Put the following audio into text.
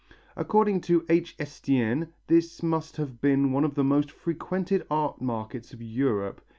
According to H. Estienne this must have been one of the most frequented art markets of Europe.